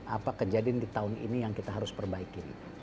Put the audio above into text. apa kejadian di tahun ini yang kita harus perbaiki